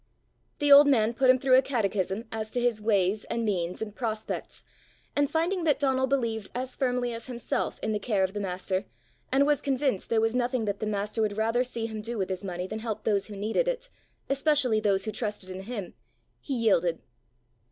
The old man put him through a catechism as to his ways and means and prospects, and finding that Donal believed as firmly as himself in the care of the Master, and was convinced there was nothing that Master would rather see him do with his money than help those who needed it, especially those who trusted in him, he yielded.